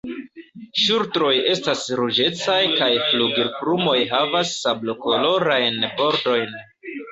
Ŝultroj estas ruĝecaj kaj flugilplumoj havas sablokolorajn bordojn.